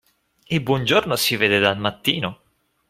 Il buon giorno si vede dal mattino.